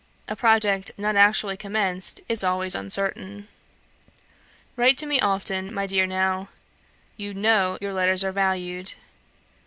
A project not actually commenced is always uncertain. Write to me often, my dear Nell; you know your letters are valued.